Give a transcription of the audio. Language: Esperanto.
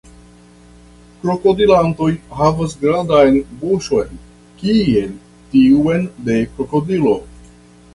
Krokodilantoj havas grandan buŝon kiel tiun de krokodilo.